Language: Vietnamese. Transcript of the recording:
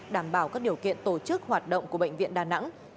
đảm bảo các điều kiện tổ chức hoạt động của bệnh viện đà nẵng